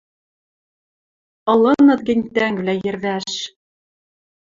Ылыныт гӹнь тӓнгвлӓ йӹрвӓш.